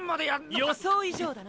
予想以上だな。